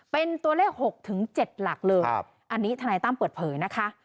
เป็นตัวเลข๖๗หลักเลยอันนี้ทนายตั้มเปิดเผยนะคะ